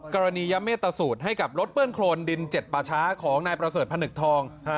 กรณียเมตตสูตรให้กับรถเปื้อนโครนดินเจ็ดป่าช้าของนายประเสริฐพนึกทอง